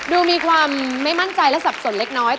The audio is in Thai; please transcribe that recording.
ดูมีความไม่มั่นใจและสับสนเล็กน้อย